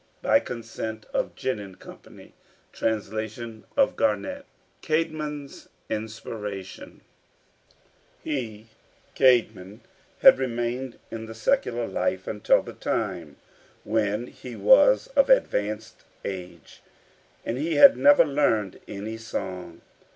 By consent of Ginn & Co. Translation of Garnett. CAEDMON'S INSPIRATION He [Cædmon] had remained in the secular life until the time when he was of advanced age, and he had never learned any song.